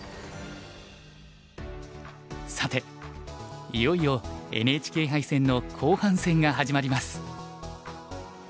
さていよいよＮＨＫ杯戦の後半戦が始まります。